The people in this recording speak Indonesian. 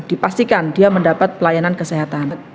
dipastikan dia mendapat pelayanan kesehatan